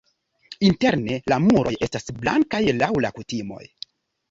Interne la muroj estas blankaj laŭ la kutimoj.